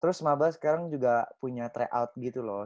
terus mabah sekarang juga punya tryout gitu loh